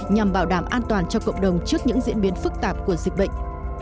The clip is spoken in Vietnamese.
nhằm bảo đảm an toàn cho cộng đồng trước những diễn biến phức tạp của dịch bệnh